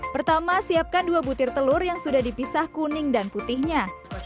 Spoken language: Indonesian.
pertama siapkan dua butir telur yang sudah dipisah kuning dan putihnya